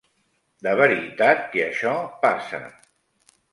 De veritat que això passa.